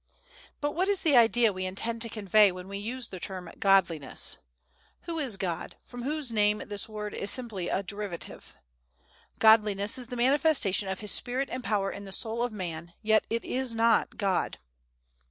But what is the idea we intend to convey when we use the term "Godliness"? Who is God, from whose name this word is simply a derivative? Godliness is the manifestation of his spirit and power in the soul of man, yet it is not God.